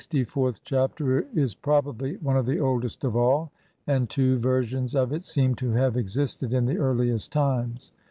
The LXIVth Chapter is probably one of the oldest of all, and two versions of it seem to have existed in the earliest times.